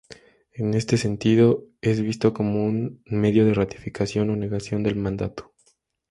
En este sentido, es visto como un medio de ratificación o negación del mandato.